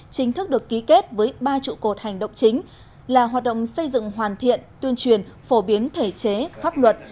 chính thức được ký kết với ba trụ cột hành động chính là hoạt động xây dựng hoàn thiện tuyên truyền phổ biến thể chế pháp luật